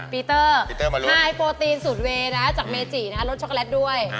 พีเตอร์ค่ายโปรตีนสูตรเวย์นะจากเมจินะครับรสช็อกโกแลตด้วย